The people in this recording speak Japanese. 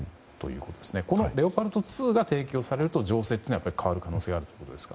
このレオパルト２が提供されると情勢というのは変わる可能性があるということですか？